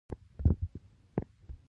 منګلی څېړۍ ته تکيه شو.